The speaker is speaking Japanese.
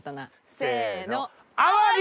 せの！